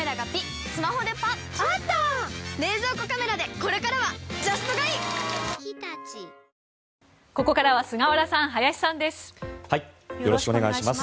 ここからは菅原さん、林さんです。